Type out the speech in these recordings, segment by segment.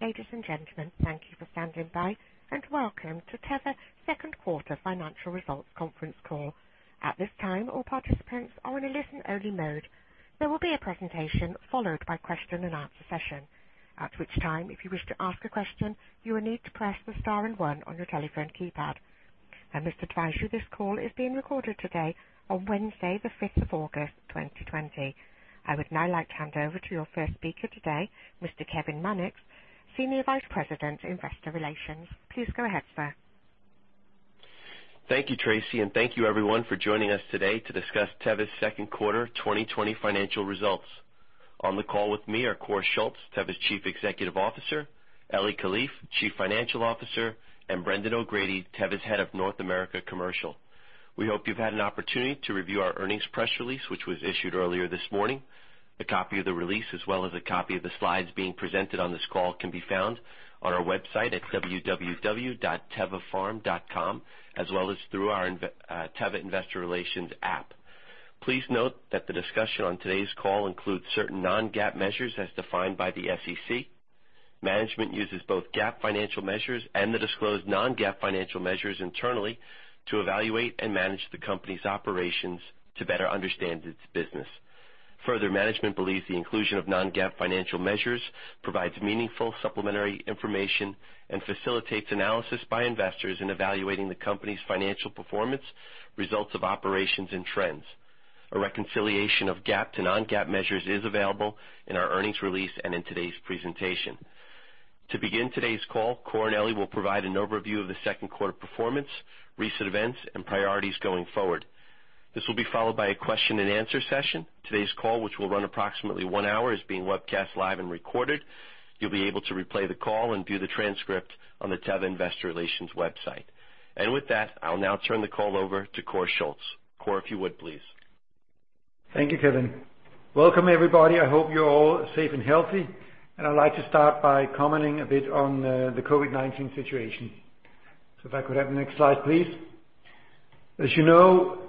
Ladies and gentlemen, thank you for standing by, and welcome to Teva's second quarter financial results conference call. At this time, all participants are in a listen-only mode. There will be a presentation followed by question and answer session. At this time if you wish to ask a question you need to press the star and one on your telephone keypad. I must advise you that this call is being recorded today on Wednesday, the 5th of August, 2020. I would now like to hand over to your first speaker today, Mr. Kevin Mannix, Senior Vice President, Investor Relations. Please go ahead, sir. Thank you, Tracy, and thank you everyone for joining us today to discuss Teva's second quarter 2020 financial results. On the call with me are Kåre Schultz, Teva's Chief Executive Officer, Eli Kalif, Chief Financial Officer, and Brendan O'Grady, Teva's Head of North America Commercial. We hope you've had an opportunity to review our earnings press release, which was issued earlier this morning. A copy of the release, as well as a copy of the slides being presented on this call, can be found on our website at www.tevapharm.com, as well as through our Teva Investor Relations app. Please note that the discussion on today's call includes certain non-GAAP measures as defined by the SEC. Management uses both GAAP financial measures and the disclosed non-GAAP financial measures internally to evaluate and manage the company's operations to better understand its business. Management believes the inclusion of non-GAAP financial measures provides meaningful supplementary information and facilitates analysis by investors in evaluating the company's financial performance, results of operations, and trends. A reconciliation of GAAP to non-GAAP measures is available in our earnings release and in today's presentation. To begin today's call, Kåre and Eli will provide an overview of the second quarter performance, recent events, and priorities going forward. This will be followed by a question and answer session. Today's call, which will run approximately one hour, is being webcast live and recorded. You'll be able to replay the call and view the transcript on the Teva Investor Relations website. With that, I'll now turn the call over to Kåre Schultz. Kåre, if you would, please. Thank you, Kevin. Welcome, everybody. I hope you're all safe and healthy. I'd like to start by commenting a bit on the COVID-19 situation. If I could have the next slide, please. As you know,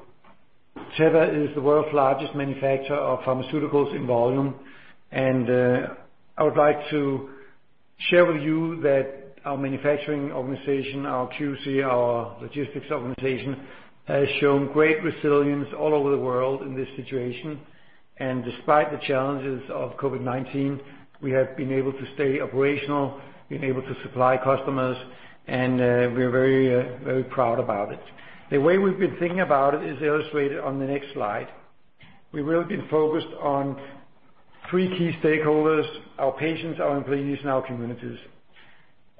Teva is the world's largest manufacturer of pharmaceuticals in volume. I would like to share with you that our manufacturing organization, our QC, our logistics organization, has shown great resilience all over the world in this situation. Despite the challenges of COVID-19, we have been able to stay operational, been able to supply customers, and we're very proud about it. The way we've been thinking about it is illustrated on the next slide. We've really been focused on three key stakeholders, our patients, our employees, and our communities.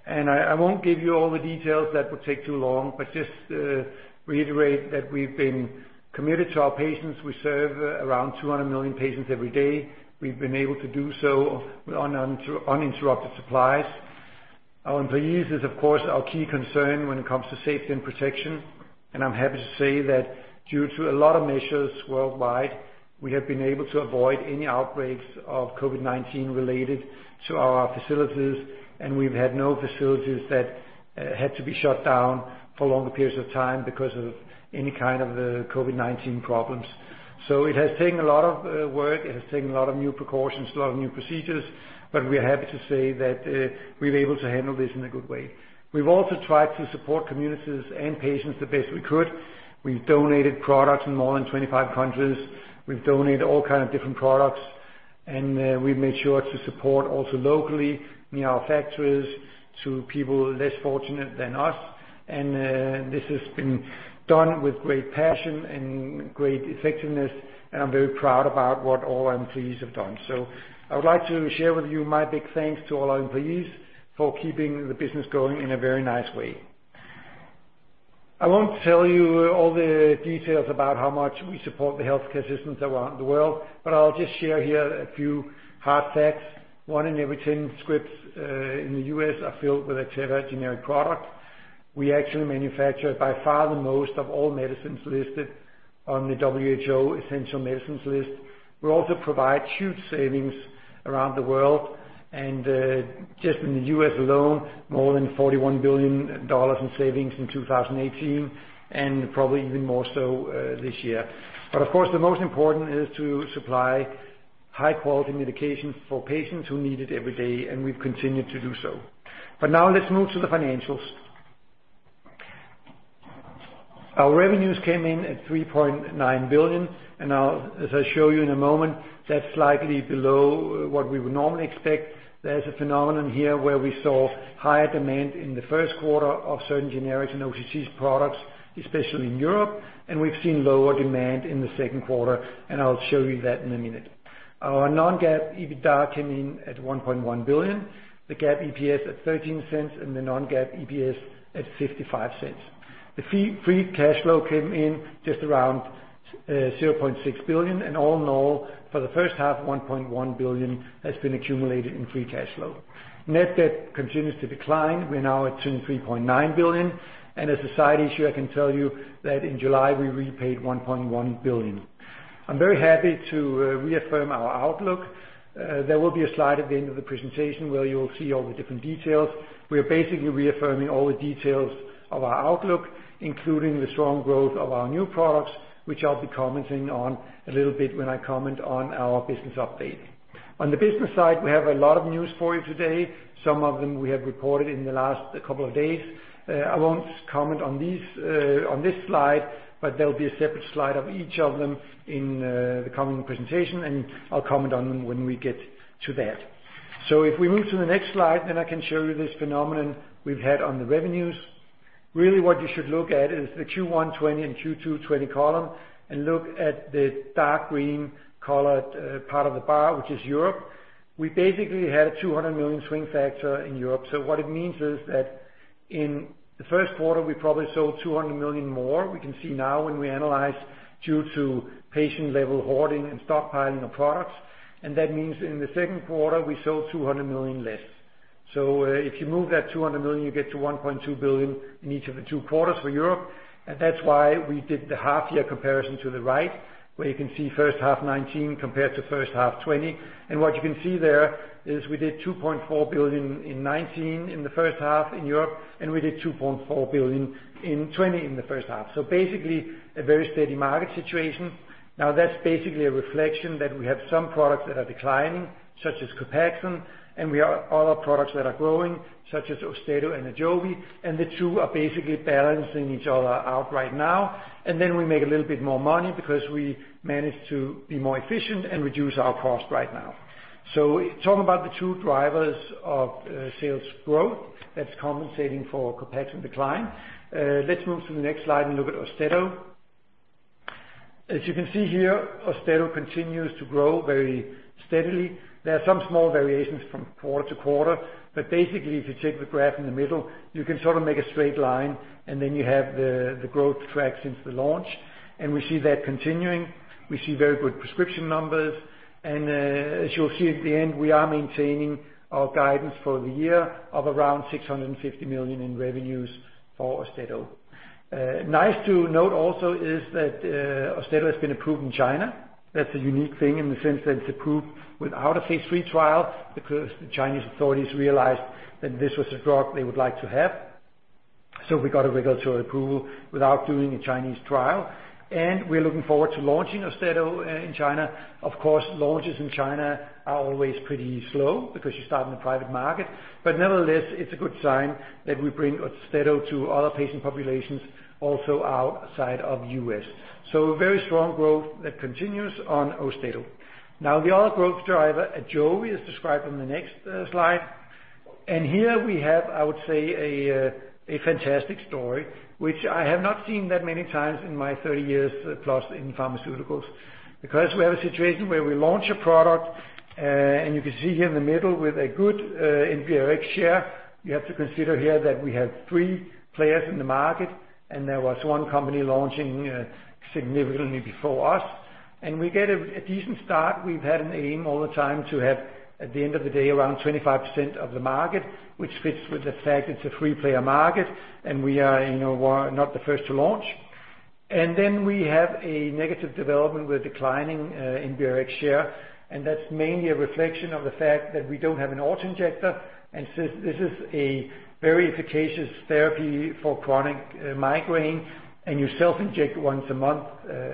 I won't give you all the details. That would take too long, but just to reiterate that we've been committed to our patients. We serve around 200 million patients every day. We've been able to do so with uninterrupted supplies. Our employees is, of course, our key concern when it comes to safety and protection, and I'm happy to say that due to a lot of measures worldwide, we have been able to avoid any outbreaks of COVID-19 related to our facilities, and we've had no facilities that had to be shut down for longer periods of time because of any kind of COVID-19 problems. It has taken a lot of work. It has taken a lot of new precautions, a lot of new procedures, but we are happy to say that we're able to handle this in a good way. We've also tried to support communities and patients the best we could. We've donated products in more than 25 countries. We've donated all kind of different products, and we've made sure to support also locally in our factories to people less fortunate than us. This has been done with great passion and great effectiveness, and I'm very proud about what all our employees have done. I would like to share with you my big thanks to all our employees for keeping the business going in a very nice way. I won't tell you all the details about how much we support the healthcare systems around the world, but I'll just share here a few hard facts. One in every 10 scripts in the U.S. are filled with a Teva generic product. We actually manufacture by far the most of all medicines listed on the WHO Essential Medicines list. We also provide huge savings around the world and, just in the U.S. alone, more than $41 billion in savings in 2018 and probably even more so this year. Of course, the most important is to supply high-quality medications for patients who need it every day, and we've continued to do so. Now let's move to the financials. Our revenues came in at $3.9 billion, as I show you in a moment, that's slightly below what we would normally expect. There's a phenomenon here where we saw higher demand in the first quarter of certain generics and OTC products, especially in Europe, we've seen lower demand in the second quarter, I'll show you that in a minute. Our non-GAAP EBITDA came in at $1.1 billion, the GAAP EPS at $0.13, the non-GAAP EPS at $0.55. The free cash flow came in just around $0.6 billion. All in all, for the first half, $1.1 billion has been accumulated in free cash flow. Net debt continues to decline. We're now at $23.9 billion. As a side issue, I can tell you that in July, we repaid $1.1 billion. I'm very happy to reaffirm our outlook. There will be a slide at the end of the presentation where you will see all the different details. We are basically reaffirming all the details of our outlook, including the strong growth of our new products, which I'll be commenting on a little bit when I comment on our business update. On the business side, we have a lot of news for you today. Some of them we have reported in the last couple of days. I won't comment on this slide, but there'll be a separate slide of each of them in the coming presentation, and I'll comment on them when we get to that. If we move to the next slide, I can show you this phenomenon we've had on the revenues. Really what you should look at is the Q1 2020 and Q2 2020 column, and look at the dark green colored part of the bar, which is Europe. We basically had a $200 million swing factor in Europe. What it means is that in the first quarter, we probably sold $200 million more. We can see now when we analyze due to patient-level hoarding and stockpiling of products, and that means in the second quarter, we sold $200 million less. If you move that 200 million, you get to 1.2 billion in each of the two quarters for Europe. That's why we did the half-year comparison to the right, where you can see first half 2019 compared to first half 2020. What you can see there is we did 2.4 billion in 2019 in the first half in Europe, and we did 2.4 billion in 2020 in the first half. Basically, a very steady market situation. That's basically a reflection that we have some products that are declining, such as COPAXONE, and we have other products that are growing, such as AUSTEDO and AJOVY, and the two are basically balancing each other out right now. We make a little bit more money because we manage to be more efficient and reduce our cost right now. Talking about the two drivers of sales growth, that's compensating for COPAXONE decline. Let's move to the next slide and look at AUSTEDO. As you can see here, AUSTEDO continues to grow very steadily. There are some small variations from quarter to quarter, but basically if you check the graph in the middle, you can sort of make a straight line, and then you have the growth track since the launch. We see that continuing. We see very good prescription numbers. As you'll see at the end, we are maintaining our guidance for the year of around $650 million in revenues for AUSTEDO. Nice to note also is that AUSTEDO has been approved in China. That's a unique thing in the sense that it's approved without a phase III trial because the Chinese authorities realized that this was a drug they would like to have. We got a regulatory approval without doing a Chinese trial, and we're looking forward to launching AUSTEDO in China. Of course, launches in China are always pretty slow because you start in the private market. Nevertheless, it's a good sign that we bring AUSTEDO to other patient populations also outside of the U.S. Very strong growth that continues on AUSTEDO. The other growth driver, AJOVY, is described on the next slide. Here we have, I would say, a fantastic story, which I have not seen that many times in my 30 years plus in pharmaceuticals. We have a situation where we launch a product, and you can see here in the middle with a good NBRx share. You have to consider here that we have three players in the market, and there was one company launching significantly before us. We get a decent start. We've had an aim all the time to have, at the end of the day, around 25% of the market, which fits with the fact it's a three-player market and we are not the first to launch. We have a negative development with declining NBRx share, and that's mainly a reflection of the fact that we don't have an auto-injector. Since this is a very efficacious therapy for chronic migraine, and you self-inject once a month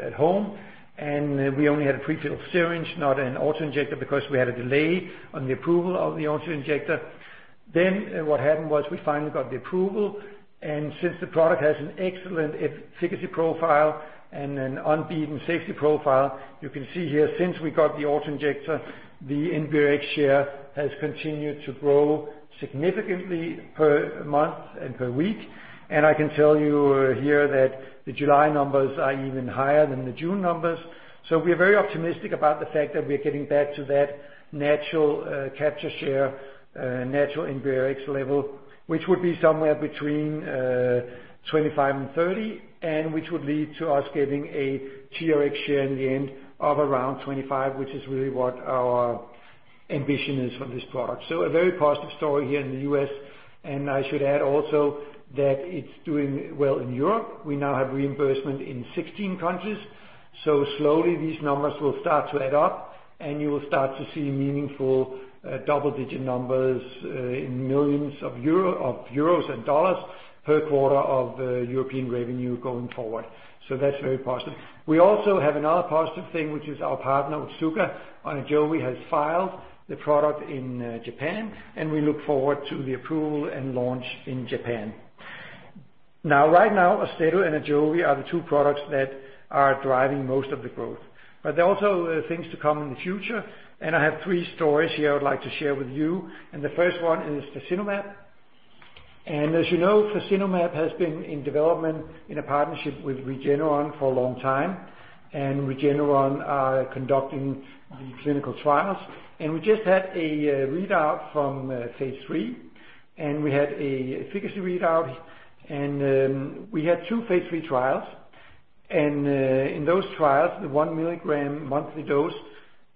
at home, and we only had a pre-filled syringe, not an auto-injector, because we had a delay on the approval of the auto-injector. What happened was we finally got the approval, and since the product has an excellent efficacy profile and an unbeaten safety profile, you can see here since we got the auto-injector, the NBRx share has continued to grow significantly per month and per week. I can tell you here that the July numbers are even higher than the June numbers. We are very optimistic about the fact that we are getting back to that natural capture share, natural NBRx level, which would be somewhere between 25 and 30, and which would lead to us getting a TRx share in the end of around 25, which is really what our ambition is for this product. A very positive story here in the U.S., and I should add also that it's doing well in Europe. We now have reimbursement in 16 countries. Slowly these numbers will start to add up and you will start to see meaningful double-digit numbers in millions of euros and dollars per quarter of European revenue going forward. That's very positive. We also have another positive thing, which is our partner, Otsuka, on AJOVY has filed the product in Japan, and we look forward to the approval and launch in Japan. Now, right now, AUSTEDO and AJOVY are the two products that are driving most of the growth. There are also things to come in the future, and I have three stories here I would like to share with you, and the first one is fasinumab. As you know, fasinumab has been in development in a partnership with Regeneron for a long time, and Regeneron are conducting the clinical trials. We just had a readout from phase III, we had a efficacy readout. We had two phase III trials. In those trials, the 1 mg monthly dose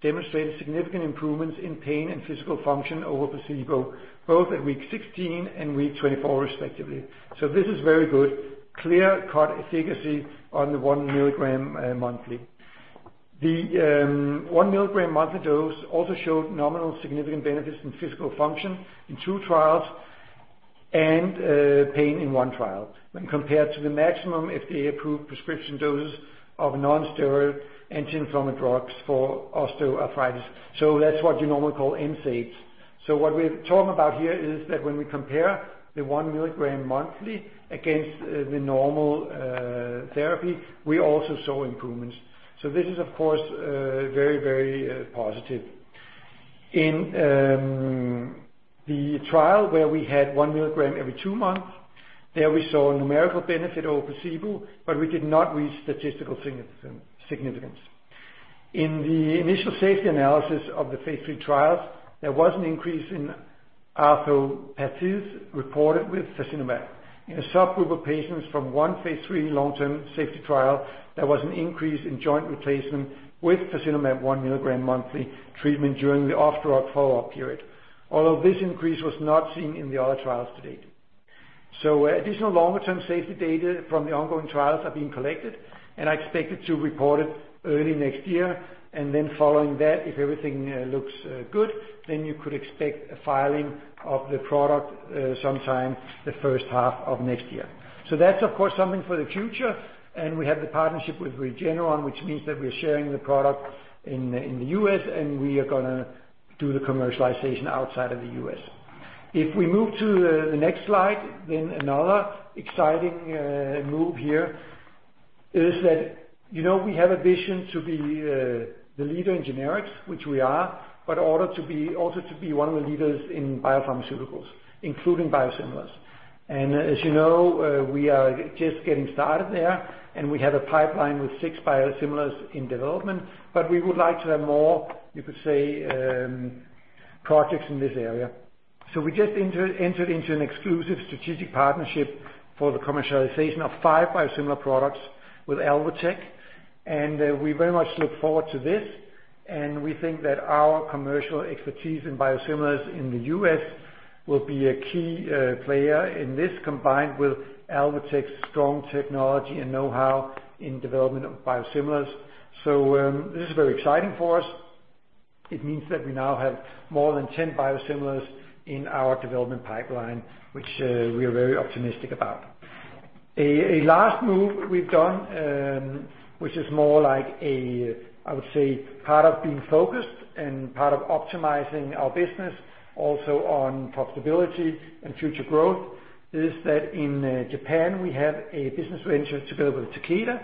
demonstrated significant improvements in pain and physical function over placebo, both at week 16 and week 24 respectively. This is very good, clear-cut efficacy on the 1 mg monthly. The 1 mg monthly dose also showed nominal significant benefits in physical function in two trials. Pain in one trial when compared to the maximum FDA-approved prescription dose of nonsteroidal anti-inflammatory drugs for osteoarthritis. That's what you normally call NSAIDs. What we're talking about here is that when we compare the 1 mg monthly against the normal therapy, we also saw improvements. This is, of course, very positive. In the trial where we had 1 mg every two months, there we saw a numerical benefit over placebo, we did not reach statistical significance. In the initial safety analysis of the phase III trials, there was an increase in arthropathies reported with fasinumab. In a subgroup of patients from one phase III long-term safety trial, there was an increase in joint replacement with fasinumab 1 mg monthly treatment during the off-drug follow-up period. This increase was not seen in the other trials to date. Additional longer-term safety data from the ongoing trials are being collected, I expect it to report it early next year. Following that, if everything looks good, you could expect a filing of the product sometime the first half of next year. That's, of course, something for the future, and we have the partnership with Regeneron, which means that we're sharing the product in the U.S., and we are going to do the commercialization outside of the U.S. If we move to the next slide, then another exciting move here is that we have a vision to be the leader in generics, which we are, but also to be one of the leaders in biopharmaceuticals, including biosimilars. As you know, we are just getting started there, and we have a pipeline with six biosimilars in development. We would like to have more, you could say, projects in this area. We just entered into an exclusive strategic partnership for the commercialization of five biosimilar products with Alvotech, and we very much look forward to this. We think that our commercial expertise in biosimilars in the U.S. will be a key player in this, combined with Alvotech's strong technology and know-how in development of biosimilars. This is very exciting for us. It means that we now have more than 10 biosimilars in our development pipeline, which we are very optimistic about. A last move we've done, which is more like a, I would say, part of being focused and part of optimizing our business also on profitability and future growth, is that in Japan, we have a business venture together with Takeda,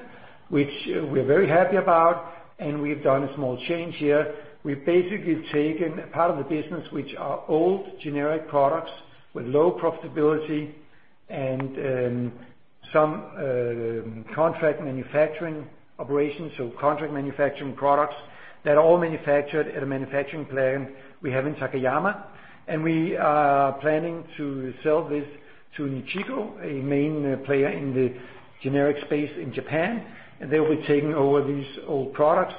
which we're very happy about, and we've done a small change here. We've basically taken a part of the business, which are old generic products with low profitability and some contract manufacturing operations. Contract manufacturing products that are all manufactured at a manufacturing plant we have in Takayama. We are planning to sell this to Nichi-Iko, a main player in the generic space in Japan, and they'll be taking over these old products.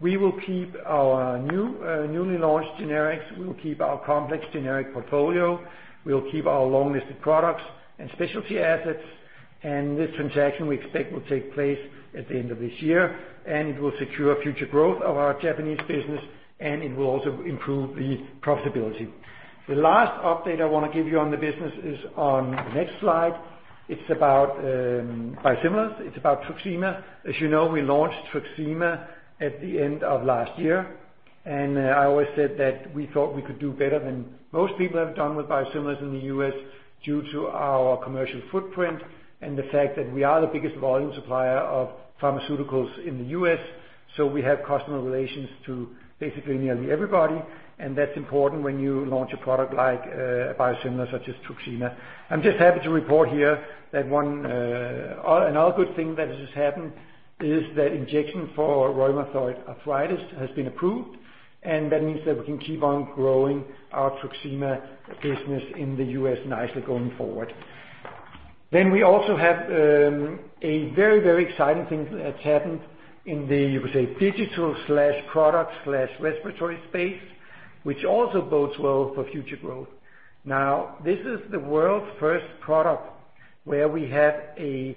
We will keep our newly launched generics, we will keep our complex generic portfolio, we will keep our long-listed products and specialty assets. This transaction, we expect, will take place at the end of this year, and it will secure future growth of our Japanese business, and it will also improve the profitability. The last update I want to give you on the business is on the next slide. It's about biosimilars. It's about TRUXIMA. As you know, we launched TRUXIMA at the end of last year, I always said that we thought we could do better than most people have done with biosimilars in the U.S. due to our commercial footprint and the fact that we are the biggest volume supplier of pharmaceuticals in the U.S. We have customer relations to basically nearly everybody, and that's important when you launch a product like a biosimilar such as TRUXIMA. I'm just happy to report here that another good thing that has happened is that injection for rheumatoid arthritis has been approved, That means that we can keep on growing our TRUXIMA business in the U.S. nicely going forward. We also have a very exciting thing that's happened in the, you could say, digital/product/respiratory space, which also bodes well for future growth. This is the world's first product where we have a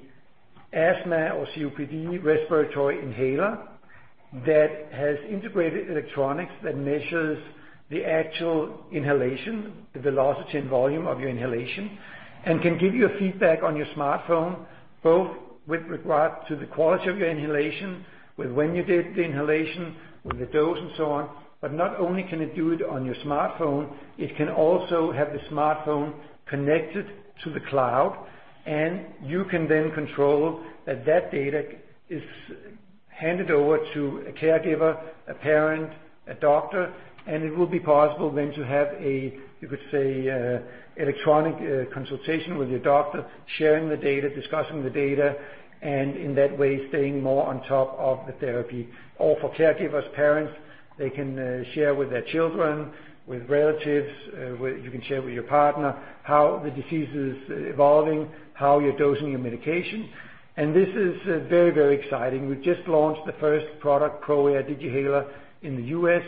asthma or COPD respiratory inhaler that has integrated electronics that measures the actual inhalation, the velocity, and volume of your inhalation, and can give you a feedback on your smartphone, both with regard to the quality of your inhalation, with when you did the inhalation, with the dose, and so on. Not only can it do it on your smartphone, it can also have the smartphone connected to the cloud, and you can then control that data is handed over to a caregiver, a parent, a doctor, and it will be possible then to have a, you could say, electronic consultation with your doctor, sharing the data, discussing the data, and in that way, staying more on top of the therapy. For caregivers, parents, they can share with their children, with relatives, you can share with your partner how the disease is evolving, how you're dosing your medication. This is very exciting. We just launched the first product, ProAir Digihaler, in the U.S.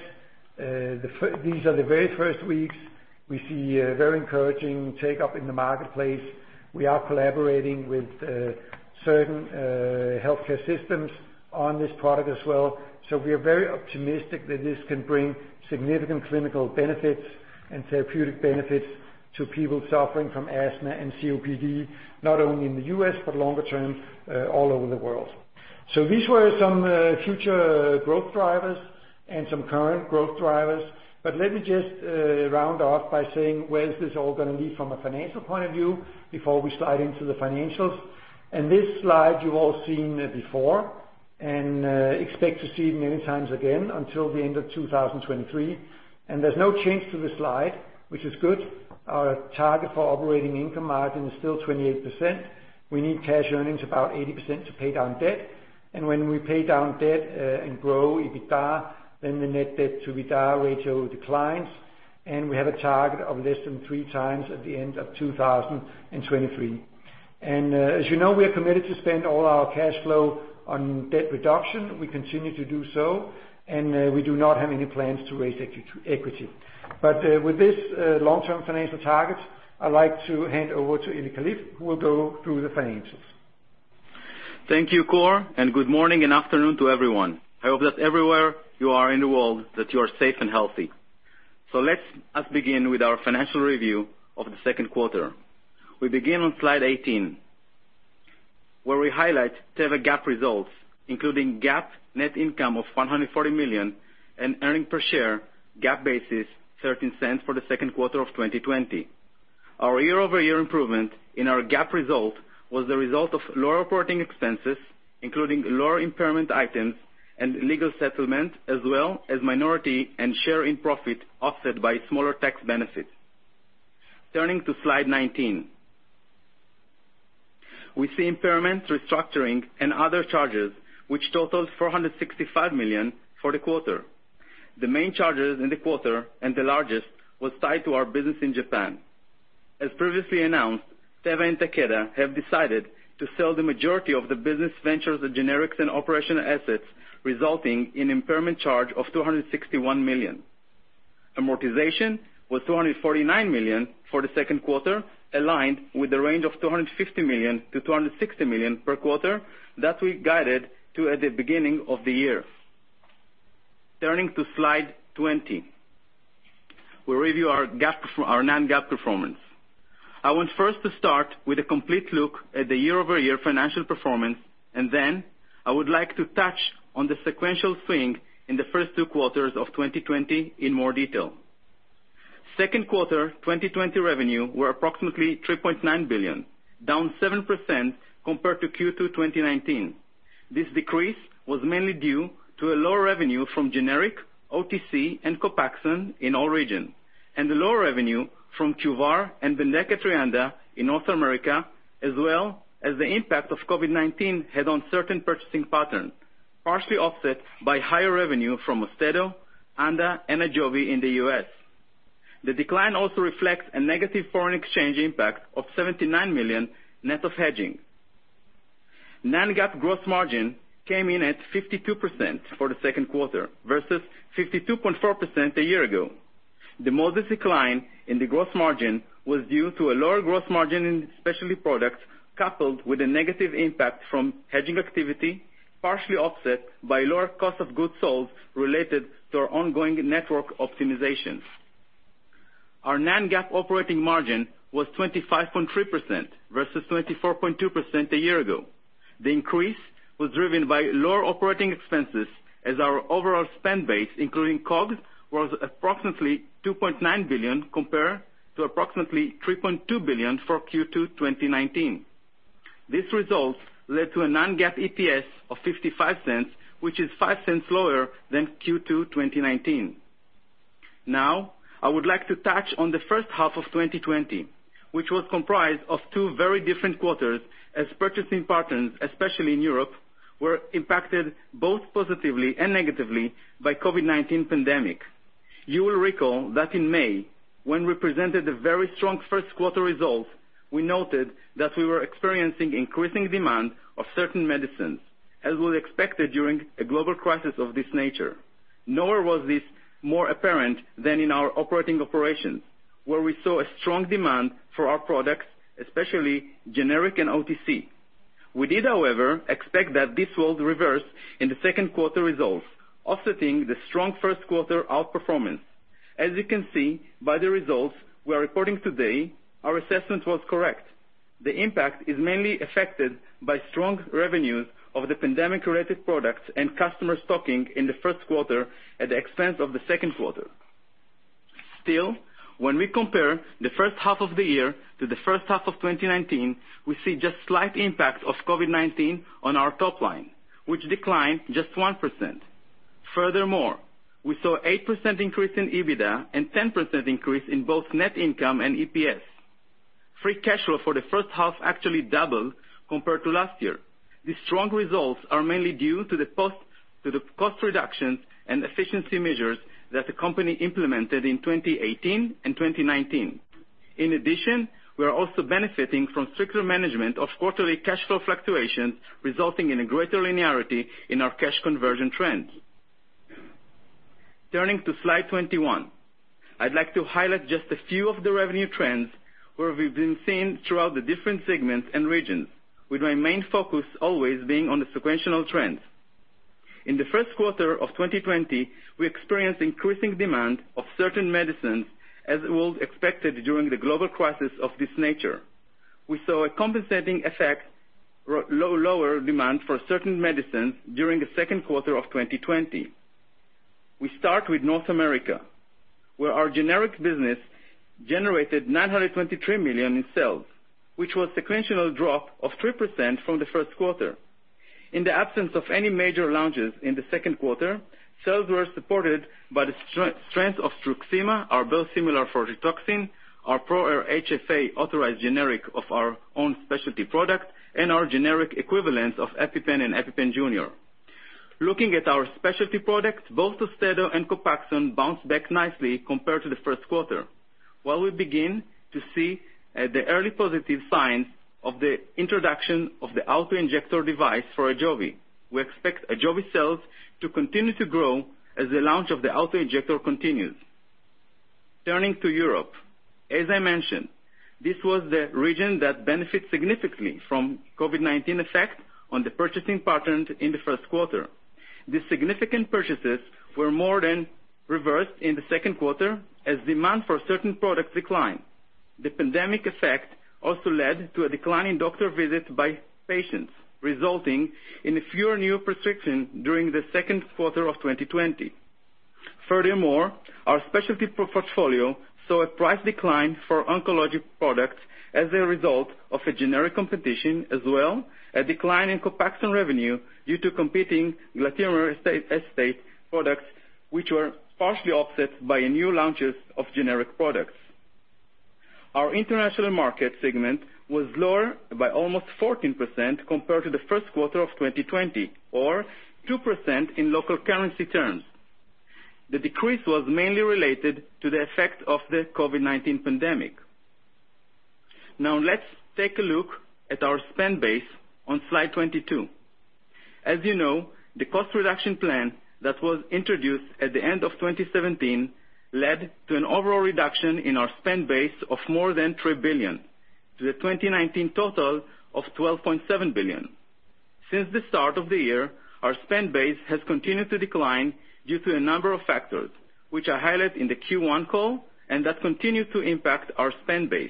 These are the very first weeks. We see a very encouraging take-up in the marketplace. We are collaborating with certain healthcare systems on this product as well. We are very optimistic that this can bring significant clinical benefits and therapeutic benefits to people suffering from asthma and COPD, not only in the U.S., but longer term, all over the world. These were some future growth drivers and some current growth drivers, let me just round off by saying where is this all going to lead from a financial point of view before we slide into the financials. This slide you've all seen before, and expect to see many times again until the end of 2023. There's no change to the slide, which is good. Our target for operating income margin is still 28%. We need cash earnings about 80% to pay down debt. When we pay down debt and grow EBITDA, then the net debt to EBITDA ratio declines, and we have a target of less than 3x at the end of 2023. As you know, we are committed to spend all our cash flow on debt reduction. We continue to do so, and we do not have any plans to raise equity. With this long-term financial target, I'd like to hand over to Eli Kalif, who will go through the financials. Thank you, Kåre, and good morning and afternoon to everyone. I hope that everywhere you are in the world that you are safe and healthy. Let us begin with our financial review of the second quarter. We begin on slide 18, where we highlight Teva GAAP results, including GAAP net income of $140 million and earnings per share GAAP basis $0.13 for the second quarter of 2020. Our year-over-year improvement in our GAAP result was the result of lower reporting expenses, including lower impairment items and legal settlement, as well as minority interest in profit offset by smaller tax benefits. Turning to slide 19. We see impairments, restructuring, and other charges, which totaled $465 million for the quarter. The main charges in the quarter and the largest was tied to our business in Japan. As previously announced, Teva and Takeda have decided to sell the majority of the business ventures of generics and operational assets, resulting in impairment charge of $261 million. Amortization was $249 million for the second quarter, aligned with the range of $250 million-$260 million per quarter that we guided to at the beginning of the year. Turning to slide 20, we review our non-GAAP performance. I want first to start with a complete look at the year-over-year financial performance, and then I would like to touch on the sequential swing in the first two quarters of 2020 in more detail. Second quarter 2020 revenue were approximately $3.9 billion, down 7% compared to Q2 2019. This decrease was mainly due to a lower revenue from generic, OTC, and COPAXONE in all regions, and the lower revenue from QVAR and BENDEKA and TREANDA in North America, as well as the impact of COVID-19 had on certain purchasing patterns, partially offset by higher revenue from AUSTEDO, Anda, and AJOVY in the U.S. The decline also reflects a negative foreign exchange impact of $79 million net of hedging. Non-GAAP gross margin came in at 52% for the second quarter versus 52.4% a year ago. The modest decline in the gross margin was due to a lower gross margin in specialty products, coupled with a negative impact from hedging activity, partially offset by lower COGS related to our ongoing network optimizations. Our non-GAAP operating margin was 25.3% versus 24.2% a year ago. The increase was driven by lower operating expenses as our overall spend base, including COGS, was approximately $2.9 billion compared to approximately $3.2 billion for Q2 2019. These results led to a non-GAAP EPS of $0.55, which is $0.05 lower than Q2 2019. Now, I would like to touch on the first half of 2020, which was comprised of two very different quarters as purchasing patterns, especially in Europe, were impacted both positively and negatively by COVID-19 pandemic. You will recall that in May, when we presented a very strong first quarter result, we noted that we were experiencing increasing demand of certain medicines, as was expected during a global crisis of this nature. Nowhere was this more apparent than in our operating operations, where we saw a strong demand for our products, especially generic and OTC. We did, however, expect that this would reverse in the second quarter results, offsetting the strong first quarter outperformance. As you can see by the results we are reporting today, our assessment was correct. The impact is mainly affected by strong revenues of the pandemic-related products and customer stocking in the first quarter at the expense of the second quarter. When we compare the first half of the year to the first half of 2019, we see just slight impact of COVID-19 on our top line, which declined just 1%. We saw 8% increase in EBITDA and 10% increase in both net income and EPS. Free cash flow for the first half actually doubled compared to last year. These strong results are mainly due to the cost reductions and efficiency measures that the company implemented in 2018 and 2019. In addition, we are also benefiting from stricter management of quarterly cash flow fluctuations, resulting in a greater linearity in our cash conversion trends. Turning to slide 21. I'd like to highlight just a few of the revenue trends where we've been seeing throughout the different segments and regions, with my main focus always being on the sequential trends. In the first quarter of 2020, we experienced increasing demand of certain medicines, as was expected during the global crisis of this nature. We saw a compensating effect, lower demand for certain medicines during the second quarter of 2020. We start with North America, where our generics business generated $923 million in sales, which was sequential drop of 3% from the first quarter. In the absence of any major launches in the second quarter, sales were supported by the strength of TRUXIMA, our biosimilar for Rituxan, our ProAir HFA authorized generic of our own specialty product, and our generic equivalents of EpiPen and EpiPen Jr. Looking at our specialty products, both AUSTEDO and COPAXONE bounced back nicely compared to the first quarter. While we begin to see the early positive signs of the introduction of the auto-injector device for AJOVY, we expect AJOVY sales to continue to grow as the launch of the auto-injector continues. Turning to Europe. As I mentioned, this was the region that benefits significantly from COVID-19 effect on the purchasing pattern in the first quarter. The significant purchases were more than reversed in the second quarter as demand for certain products declined. The pandemic effect also led to a decline in doctor visits by patients, resulting in fewer new prescriptions during the second quarter of 2020. Our specialty portfolio saw a price decline for oncologic products as a result of a generic competition, as well a decline in COPAXONE revenue due to competing glatiramer acetate products, which were partially offset by new launches of generic products. Our international market segment was lower by almost 14% compared to the first quarter of 2020, or 2% in local currency terms. The decrease was mainly related to the effect of the COVID-19 pandemic. Let's take a look at our spend base on slide 22. As you know, the cost reduction plan that was introduced at the end of 2017 led to an overall reduction in our spend base of more than $3 billion to the 2019 total of $12.7 billion. Since the start of the year, our spend base has continued to decline due to a number of factors, which I highlight in the Q1 call, that continue to impact our spend base.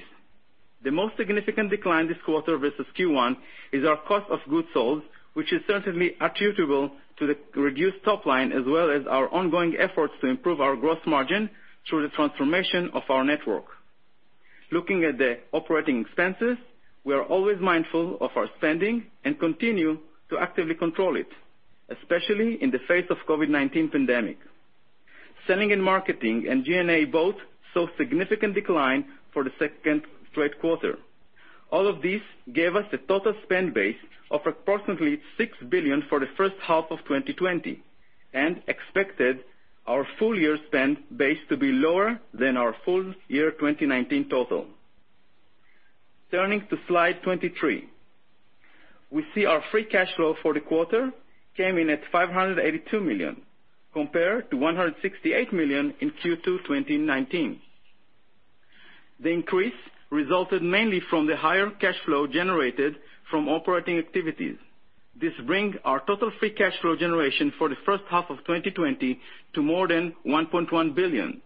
The most significant decline this quarter versus Q1 is our Cost of Goods Sold, which is certainly attributable to the reduced top line, as well as our ongoing efforts to improve our gross margin through the transformation of our network. Looking at the Operating Expenses, we are always mindful of our spending and continue to actively control it, especially in the face of COVID-19 pandemic. Selling and Marketing and G&A both saw significant decline for the second straight quarter. All of this gave us a total spend base of approximately $6 billion for the first half of 2020 and we expected our full year spend base to be lower than our full year 2019 total. Turning to slide 23. We see our free cash flow for the quarter came in at $582 million compared to $168 million in Q2 2019. The increase resulted mainly from the higher cash flow generated from operating activities. This brings our total free cash flow generation for the first half of 2020 to more than $1.1 billion.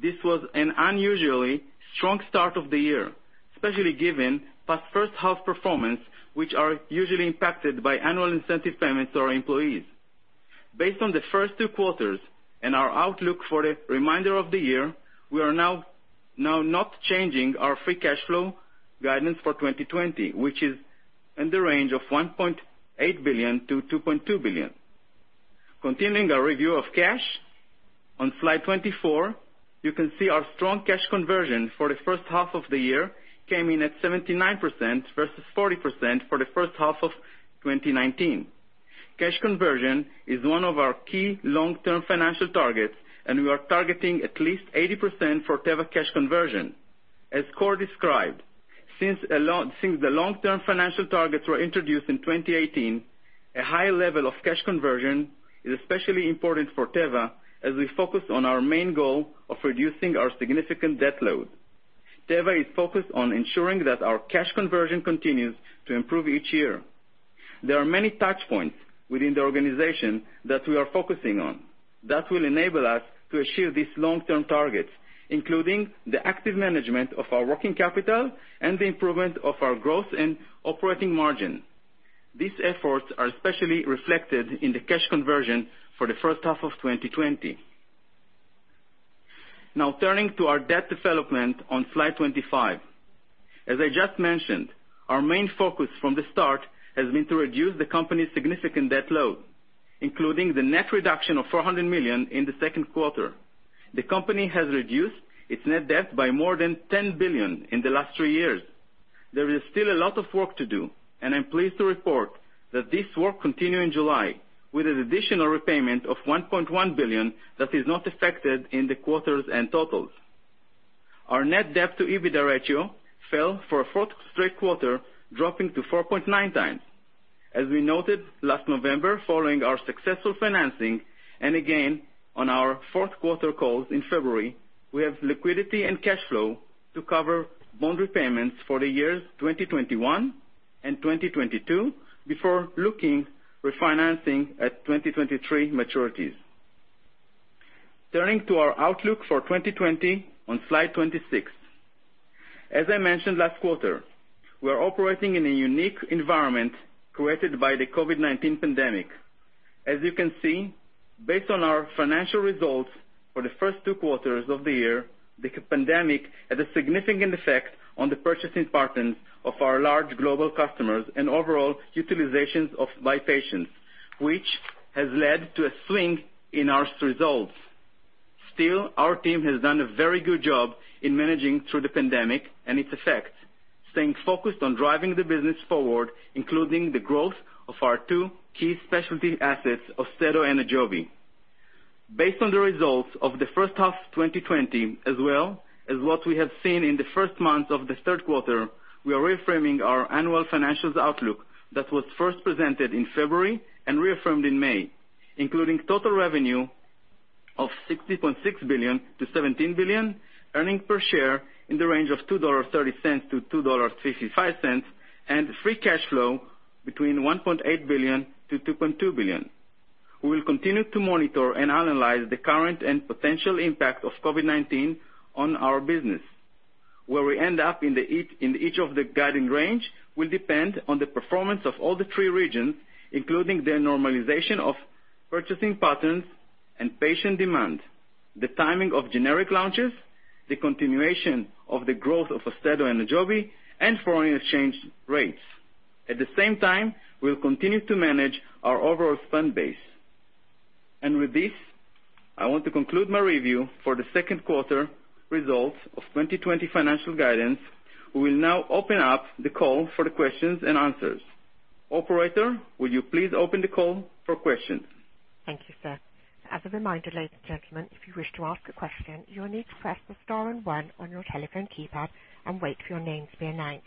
This was an unusually strong start of the year, especially given past first half performance, which are usually impacted by annual incentive payments to our employees. Based on the first two quarters and our outlook for the remainder of the year, we are now not changing our free cash flow guidance for 2020, which is in the range of $1.8 billion-$2.2 billion. Continuing our review of cash, on slide 24, you can see our strong cash conversion for the first half of the year came in at 79% versus 40% for the first half of 2019. Cash conversion is one of our key long-term financial targets, and we are targeting at least 80% for Teva cash conversion. As Kåre described, since the long-term financial targets were introduced in 2018, a high level of cash conversion is especially important for Teva as we focus on our main goal of reducing our significant debt load. Teva is focused on ensuring that our cash conversion continues to improve each year. There are many touch points within the organization that we are focusing on that will enable us to achieve these long-term targets, including the active management of our working capital and the improvement of our growth and operating margin. These efforts are especially reflected in the cash conversion for the first half of 2020. Turning to our debt development on slide 25. As I just mentioned, our main focus from the start has been to reduce the company's significant debt load, including the net reduction of $400 million in the second quarter. The company has reduced its net debt by more than $10 billion in the last three years. There is still a lot of work to do, and I'm pleased to report that this work continued in July with an additional repayment of $1.1 billion that is not affected in the quarters and totals. Our net debt to EBITDA ratio fell for a fourth straight quarter, dropping to 4.9x. As we noted last November following our successful financing, and again on our fourth quarter call in February, we have liquidity and cash flow to cover bond repayments for the years 2021 and 2022 before looking refinancing at 2023 maturities. Turning to our outlook for 2020 on slide 26. As I mentioned last quarter, we are operating in a unique environment created by the COVID-19 pandemic. As you can see, based on our financial results for the first two quarters of the year, the pandemic had a significant effect on the purchasing patterns of our large global customers and overall utilizations of my patients, which has led to a swing in our results. Still, our team has done a very good job in managing through the pandemic and its effects, staying focused on driving the business forward, including the growth of our two key specialty assets, AUSTEDO and AJOVY. Based on the results of the first half of 2020, as well as what we have seen in the first month of the third quarter, we are reframing our annual financials outlook that was first presented in February and reaffirmed in May, including total revenue of $16.6 billion-$17 billion, earnings per share in the range of $2.30-$2.55, and free cash flow between $1.8 billion-$2.2 billion. We will continue to monitor and analyze the current and potential impact of COVID-19 on our business. Where we end up in each of the guiding range will depend on the performance of all the three regions, including the normalization of purchasing patterns and patient demand, the timing of generic launches, the continuation of the growth of AUSTEDO and AJOVY, and foreign exchange rates. At the same time, we'll continue to manage our overall spend base. With this, I want to conclude my review for the second quarter results of 2020 financial guidance. We will now open up the call for the questions and answers. Operator, will you please open the call for questions? Thank you, sir. As a reminder, ladies and gentlemen, if you wish to ask a question, you will need to press the star and one on your telephone keypad and wait for your name to be announced.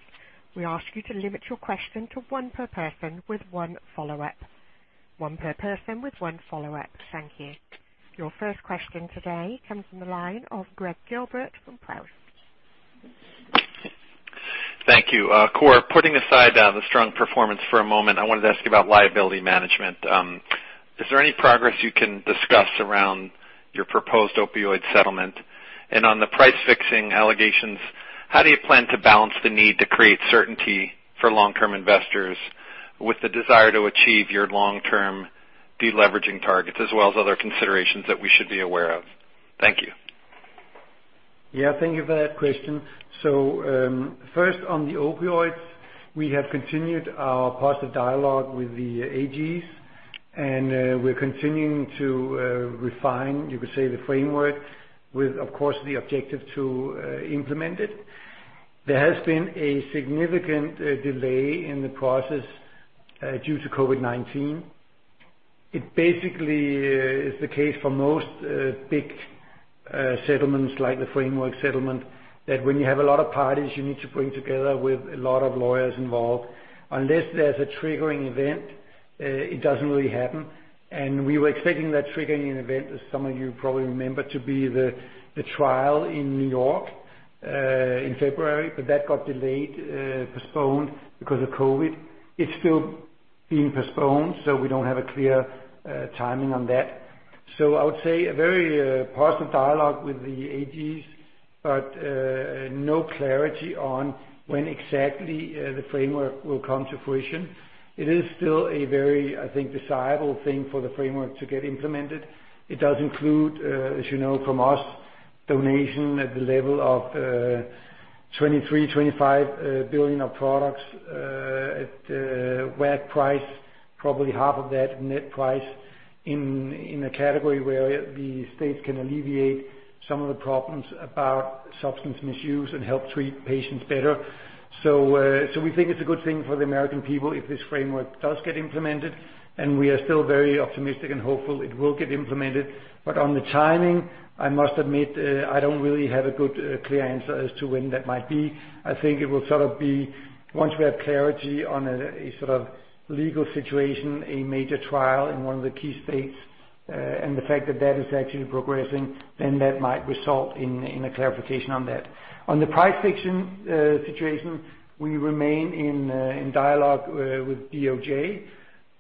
We ask you to limit your question to one per person with one follow-up. Thank you. Your first question today comes from the line of Gregg Gilbert from Truist Securities. Thank you. Kåre, putting aside the strong performance for a moment, I wanted to ask you about liability management. Is there any progress you can discuss around your proposed opioid settlement? On the price-fixing allegations, how do you plan to balance the need to create certainty for long-term investors with the desire to achieve your long-term de-leveraging targets as well as other considerations that we should be aware of? Thank you. Yeah, thank you for that question. First on the opioids, we have continued our positive dialogue with the AGs, and we're continuing to refine, you could say, the framework with, of course, the objective to implement it. There has been a significant delay in the process due to COVID-19. It basically is the case for most big settlements like the framework settlement, that when you have a lot of parties you need to bring together with a lot of lawyers involved. Unless there's a triggering event, it doesn't really happen. We were expecting that triggering event, as some of you probably remember, to be the trial in New York, in February, but that got delayed, postponed because of COVID. It's still being postponed, so we don't have a clear timing on that. I would say a very positive dialogue with the AGs, but no clarity on when exactly the framework will come to fruition. It is still a very, I think, desirable thing for the framework to get implemented. It does include, as you know from us, donation at the level of $23$25 billion of products at WAC price, probably half of that net price in a category where the states can alleviate some of the problems about substance misuse and help treat patients better. We think it's a good thing for the American people if this framework does get implemented, and we are still very optimistic and hopeful it will get implemented. On the timing, I must admit, I don't really have a good, clear answer as to when that might be. I think it will sort of be once we have clarity on a sort of legal situation, a major trial in one of the key states, and the fact that that is actually progressing, then that might result in a clarification on that. On the price-fixing situation, we remain in dialogue with DOJ.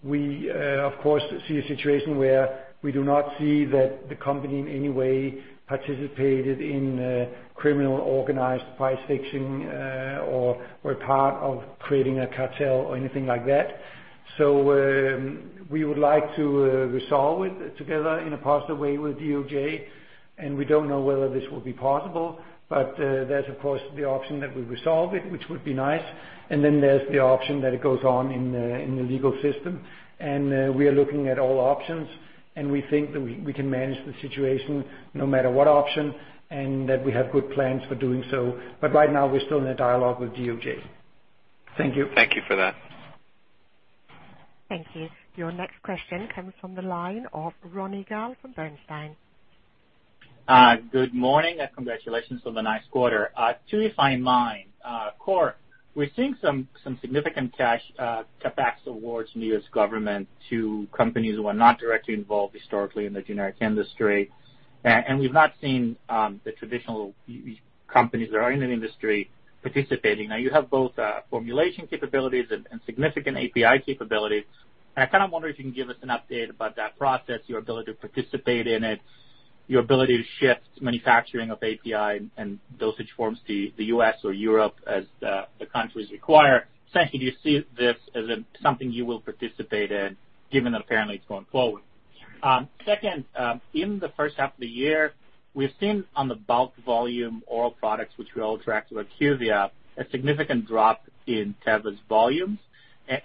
We, of course, see a situation where we do not see that the company in any way participated in criminal organized price fixing or were part of creating a cartel or anything like that. We would like to resolve it together in a positive way with DOJ, and we don't know whether this will be possible. There's, of course, the option that we resolve it, which would be nice. There's the option that it goes on in the legal system. We are looking at all options, and we think that we can manage the situation no matter what option and that we have good plans for doing so. Right now we're still in a dialogue with DOJ. Thank you. Thank you for that. Thank you. Your next question comes from the line of Ronny Gal from Bernstein. Good morning, and congratulations on the nice quarter. Two if I may. Kåre, we're seeing some significant cash CapEx awards from the U.S. government to companies who are not directly involved historically in the generic industry. We've not seen the traditional companies that are in the industry participating. Now you have both formulation capabilities and significant API capabilities. I kind of wonder if you can give us an update about that process, your ability to participate in it, your ability to shift manufacturing of API and dosage forms to the U.S. or Europe as the countries require. Secondly, do you see this as something you will participate in, given that apparently it's going forward? Second, in the first half of the year, we've seen on the bulk volume oral products, which we all tracked with IQVIA, a significant drop in Teva's volumes.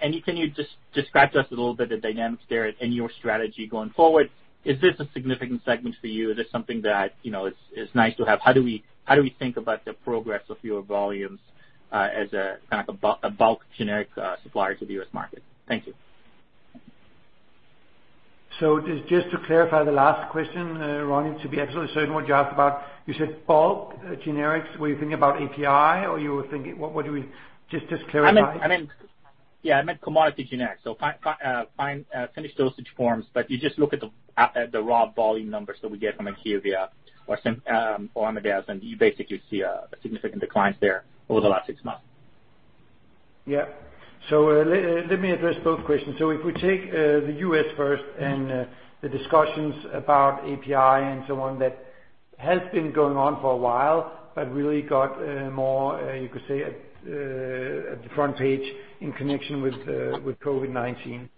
Can you just describe to us a little bit the dynamics there and your strategy going forward? Is this a significant segment for you? Is this something that is nice to have? How do we think about the progress of your volumes as a bulk generic supplier to the U.S. market? Thank you. just to clarify the last question, Ronny, to be absolutely certain what you asked about, you said bulk generics. Were you thinking about API? Just to clarify. Yeah, I meant commodity generics. Finished dosage forms, but you just look at the raw volume numbers that we get from IQVIA or MIDAS, and you basically see a significant decline there over the last six months. Let me address both questions. If we take the U.S. first and the discussions about API and so on, that has been going on for a while, but really got more, you could say, at the front page in connection with COVID-19.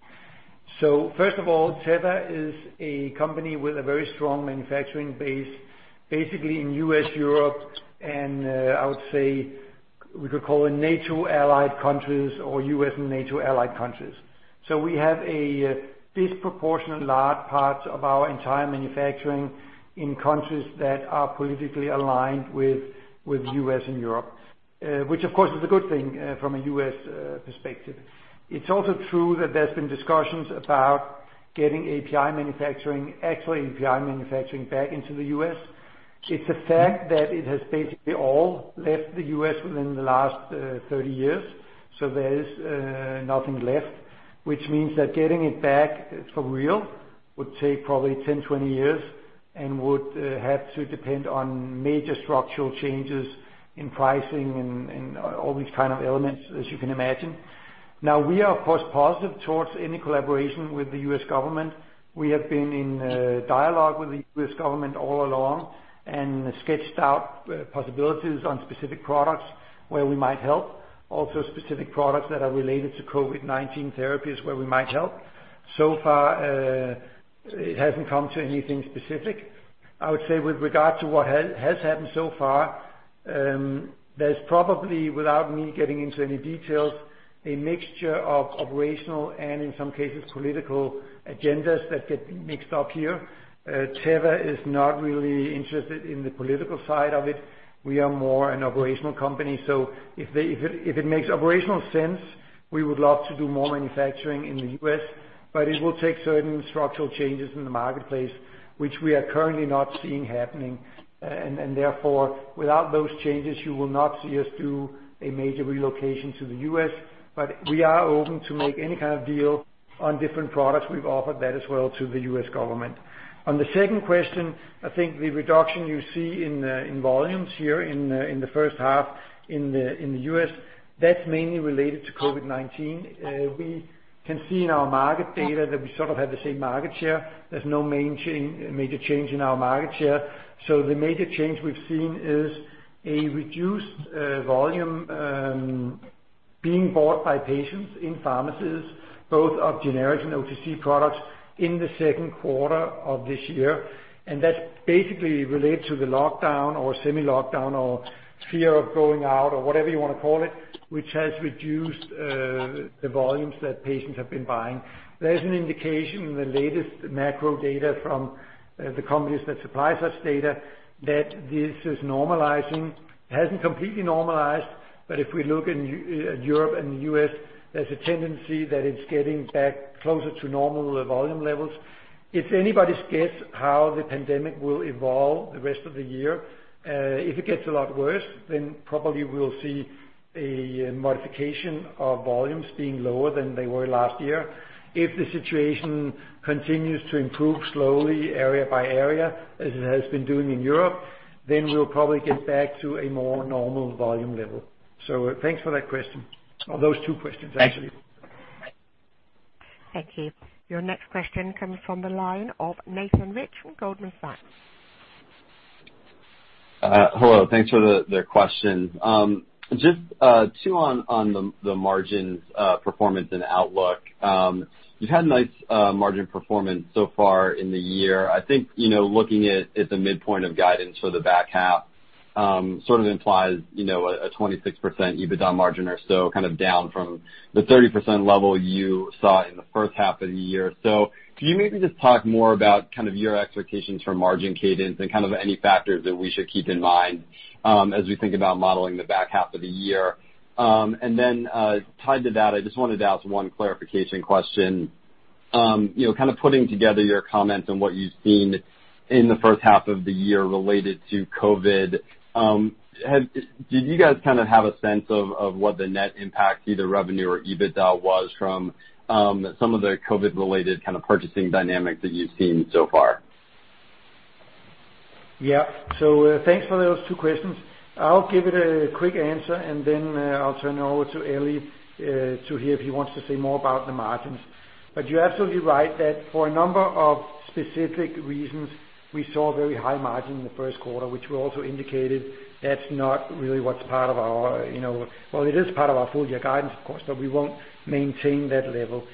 First of all, Teva is a company with a very strong manufacturing base, basically in U.S., Europe, and I would say, we could call it NATO allied countries or U.S. and NATO allied countries. We have a disproportionate large part of our entire manufacturing in countries that are politically aligned with U.S. and Europe, which of course is a good thing from a U.S. perspective. It's also true that there's been discussions about getting actual API manufacturing back into the U.S. It's a fact that it has basically all left the U.S. within the last 30 years. There is nothing left, which means that getting it back for real would take probably 10, 20 years and would have to depend on major structural changes in pricing and all these kind of elements, as you can imagine. Now, we are of course positive towards any collaboration with the U.S. government. We have been in dialogue with the U.S. government all along and sketched out possibilities on specific products where we might help. Also, specific products that are related to COVID-19 therapies where we might help. So far, it hasn't come to anything specific. I would say with regard to what has happened so far, there's probably, without me getting into any details, a mixture of operational and in some cases, political agendas that get mixed up here. Teva is not really interested in the political side of it. We are more an operational company. If it makes operational sense, we would love to do more manufacturing in the U.S., but it will take certain structural changes in the marketplace, which we are currently not seeing happening. Therefore, without those changes, you will not see us do a major relocation to the U.S., but we are open to make any kind of deal on different products. We've offered that as well to the U.S. government. On the second question, I think the reduction you see in volumes here in the first half in the U.S., that's mainly related to COVID-19. We can see in our market data that we sort of have the same market share. There's no major change in our market share. The major change we've seen is a reduced volume being bought by patients in pharmacies, both of generics and OTC products in the second quarter of this year, and that's basically related to the lockdown or semi-lockdown or fear of going out or whatever you want to call it, which has reduced the volumes that patients have been buying. There is an indication in the latest macro data from the companies that supply such data that this is normalizing. It hasn't completely normalized, but if we look in Europe and the U.S., there's a tendency that it's getting back closer to normal volume levels. It's anybody's guess how the pandemic will evolve the rest of the year. If it gets a lot worse, then probably we'll see a modification of volumes being lower than they were last year. If the situation continues to improve slowly area by area, as it has been doing in Europe, we'll probably get back to a more normal volume level. Thanks for that question or those two questions, actually. Thank you. Your next question comes from the line of Nathan Rich from Goldman Sachs. Hello, thanks for the questions. Just two on the margins performance and outlook. You've had nice margin performance so far in the year. I think looking at the midpoint of guidance for the back half sort of implies a 26% EBITDA margin or so, kind of down from the 30% level you saw in the first half of the year. Can you maybe just talk more about your expectations for margin cadence and any factors that we should keep in mind as we think about modeling the back half of the year? Tied to that, I just wanted to ask one clarification question. Kind of putting together your comments and what you've seen in the first half of the year related to COVID, did you guys have a sense of what the net impact to either revenue or EBITDA was from some of the COVID-related kind of purchasing dynamic that you've seen so far? Yeah. Thanks for those two questions. I'll give it a quick answer, and then I'll turn it over to Eli to hear if he wants to say more about the margins. You're absolutely right, that for a number of specific reasons, we saw very high margin in the first quarter, which we also indicated that's not really what's part of our Well, it is part of our full year guidance, of course, but we won't maintain that level.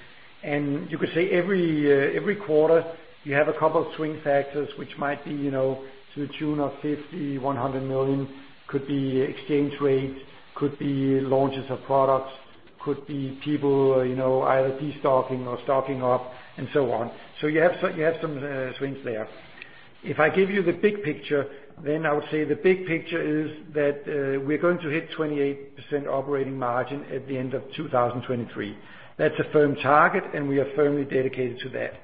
You could say every quarter you have a couple of swing factors, which might be to the tune of $50 million, $100 million. Could be exchange rate, could be launches of products, could be people either de-stocking or stocking up, and so on. You have some swings there. If I give you the big picture, then I would say the big picture is that we're going to hit 28% operating margin at the end of 2023. That's a firm target, and we are firmly dedicated to that.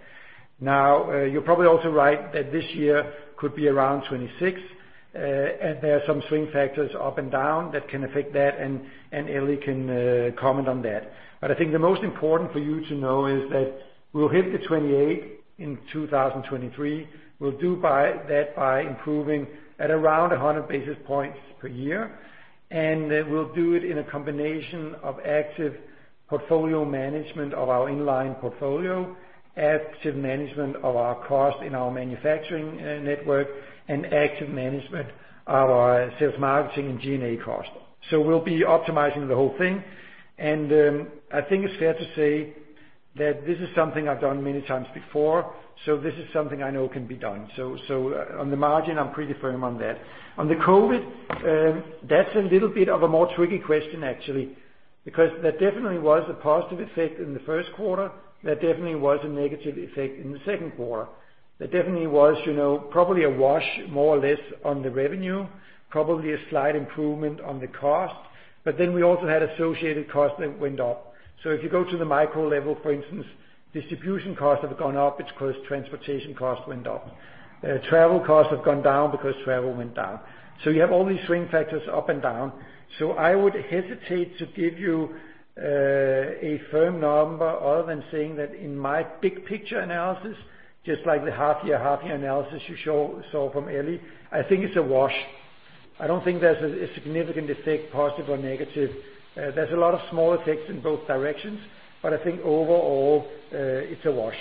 Now, you're probably also right that this year could be around 26, and there are some swing factors up and down that can affect that, and Eli can comment on that. I think the most important for you to know is that we'll hit the 28 in 2023. We'll do that by improving at around 100 basis points per year, and we'll do it in a combination of active portfolio management of our in-line portfolio, active management of our cost in our manufacturing network, and active management of our sales marketing and G&A cost. We'll be optimizing the whole thing, and I think it's fair to say that this is something I've done many times before, so this is something I know can be done. On the margin, I'm pretty firm on that. On the COVID, that's a little bit of a more tricky question, actually. There definitely was a positive effect in the first quarter. There definitely was a negative effect in the second quarter. There definitely was probably a wash, more or less, on the revenue, probably a slight improvement on the cost. We also had associated costs that went up. If you go to the micro level, for instance, distribution costs have gone up. It's because transportation costs went up. Travel costs have gone down because travel went down. You have all these swing factors up and down. I would hesitate to give you a firm number other than saying that in my big picture analysis, just like the half year analysis you saw from Eli, I think it's a wash. I don't think there's a significant effect, positive or negative. There's a lot of small effects in both directions, but I think overall, it's a wash.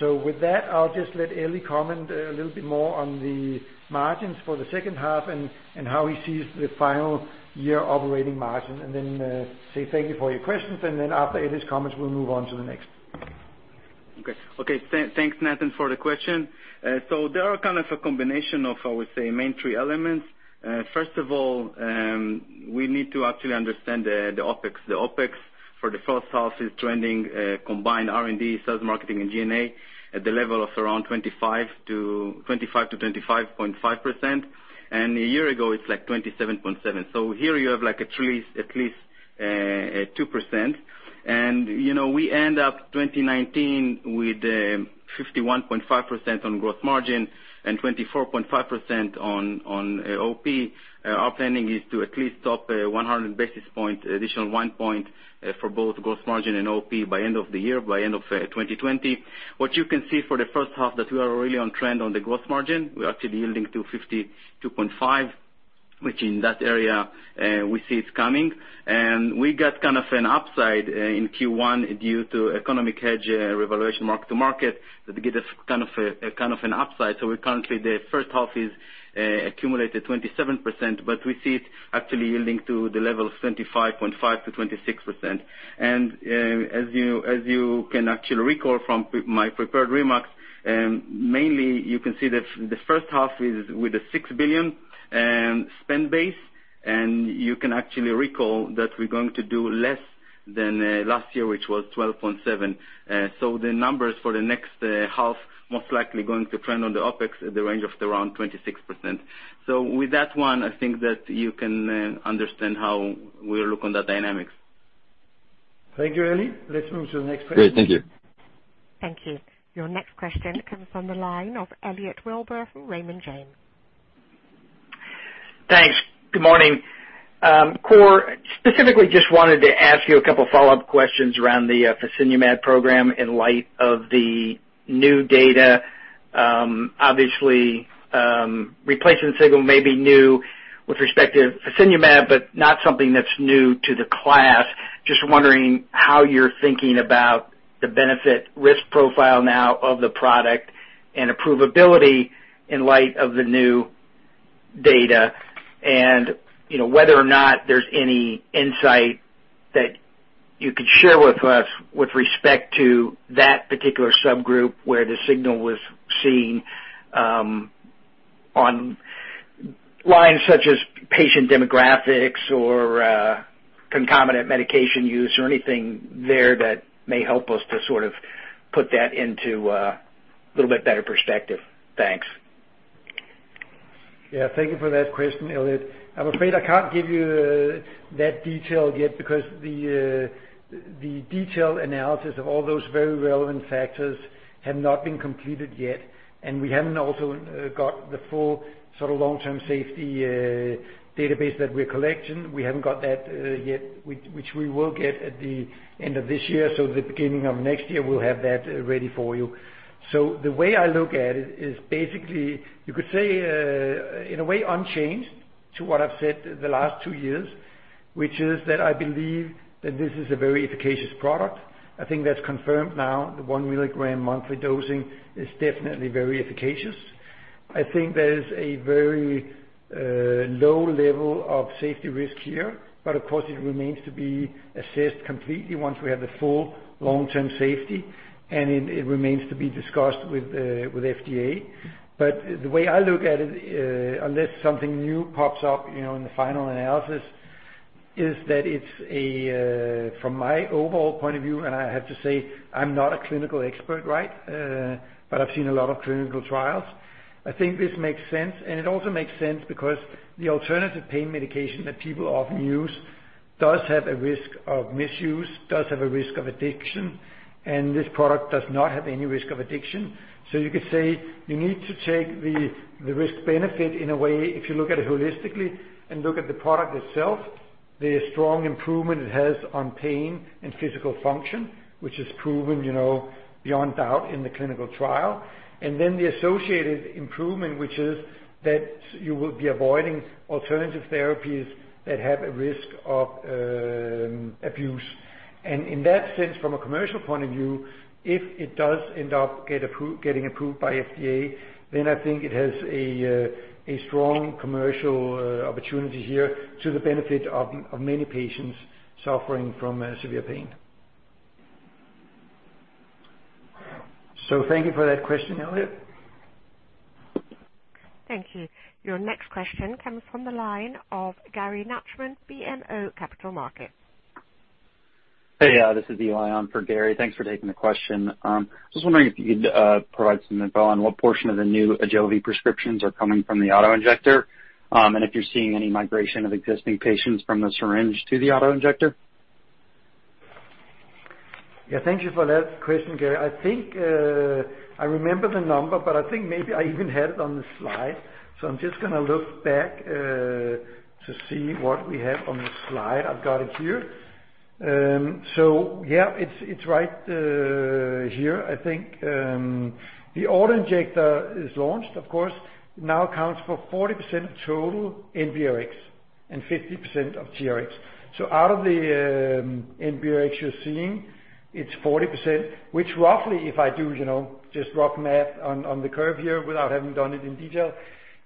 With that, I'll just let Eli comment a little bit more on the margins for the second half and how he sees the final year operating margin and then say thank you for your questions. After Eli's comments, we'll move on to the next. Thanks, Nathan, for the question. There are kind of a combination of, I would say, main three elements. First of all, we need to actually understand the OpEx. The OpEx for the first half is trending combined R&D, sales, marketing, and G&A at the level of around 25%-25.5%. A year ago, it's like 27.7%. Here you have at least 2%. We end up 2019 with 51.5% on gross margin and 24.5% on OP. Our planning is to at least top 100 basis points, additional one point, for both gross margin and OP by end of the year, by end of 2020. What you can see for the first half that we are really on trend on the gross margin. We're actually yielding to 52.5%, which in that area, we see it's coming. We got kind of an upside in Q1 due to economic hedge revaluation mark to market that gave us kind of an upside. Currently, the first half is accumulated 27%, but we see it actually yielding to the level of 25.5%-26%. As you can actually recall from my prepared remarks, mainly you can see that the first half is with a $6 billion spend base, and you can actually recall that we're going to do less than last year, which was $12.7 billion. The numbers for the next half, most likely going to trend on the OpEx at the range of around 26%. With that one, I think that you can understand how we look on the dynamics. Thank you, Eli. Let's move to the next question. Great. Thank you. Thank you. Your next question comes from the line of Elliot Wilbur from Raymond James. Thanks. Good morning. Kåre, specifically just wanted to ask you a couple follow-up questions around the fasinumab program in light of the new data. Obviously, replacement signal may be new with respect to fasinumab, but not something that's new to the class. Just wondering how you're thinking about the benefit risk profile now of the product and approvability in light of the new data and whether or not there's any insight that you could share with us with respect to that particular subgroup where the signal was seen on lines such as patient demographics or concomitant medication use or anything there that may help us to sort of put that into a little bit better perspective. Thanks. Yeah. Thank you for that question, Elliot. I'm afraid I can't give you that detail yet because the detailed analysis of all those very relevant factors have not been completed yet, and we haven't also got the full sort of long-term safety database that we're collecting. We haven't got that yet, which we will get at the end of this year. At the beginning of next year, we'll have that ready for you. The way I look at it is basically, you could say, in a way, unchanged to what I've said the last two years, which is that I believe that this is a very efficacious product. I think that's confirmed now. The 1 mg monthly dosing is definitely very efficacious. I think there is a very low level of safety risk here, but of course, it remains to be assessed completely once we have the full long-term safety, and it remains to be discussed with FDA. The way I look at it, unless something new pops up in the final analysis, is that it's, from my overall point of view, and I have to say, I'm not a clinical expert, right? I've seen a lot of clinical trials. I think this makes sense, and it also makes sense because the alternative pain medication that people often use does have a risk of misuse, does have a risk of addiction, and this product does not have any risk of addiction. You could say you need to take the risk-benefit in a way, if you look at it holistically and look at the product itself, the strong improvement it has on pain and physical function, which is proven beyond doubt in the clinical trial. Then the associated improvement, which is that you will be avoiding alternative therapies that have a risk of abuse. In that sense, from a commercial point of view, if it does end up getting approved by FDA, then I think it has a strong commercial opportunity here to the benefit of many patients suffering from severe pain. Thank you for that question, Elliot. Thank you. Your next question comes from the line of Gary Nachman, BMO Capital Markets. Hey. This is Eli on for Gary. Thanks for taking the question. Just wondering if you could provide some info on what portion of the new AJOVY prescriptions are coming from the auto-injector. If you're seeing any migration of existing patients from the syringe to the auto-injector. Thank you for that question, Gary. I think I remember the number, I think maybe I even had it on the slide. I'm just going to look back to see what we have on the slide. I've got it here. It's right here, I think. The auto-injector is launched, of course, now accounts for 40% of total NBRx and 50% of TRx. Out of the NBRx you're seeing, it's 40%, which roughly, if I do just rough math on the curve here without having done it in detail,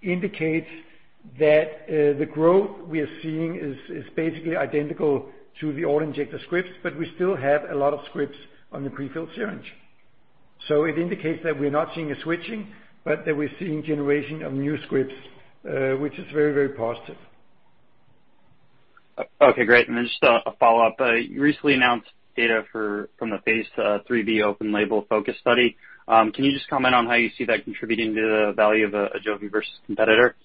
indicates that the growth we are seeing is basically identical to the auto-injector scripts, we still have a lot of scripts on the prefilled syringe. It indicates that we're not seeing a switching, that we're seeing generation of new scripts, which is very, very positive. Okay, great. Then just a follow-up. You recently announced data from the Phase IIIb open label focus study. Can you just comment on how you see that contributing to the value of AJOVY versus competitor?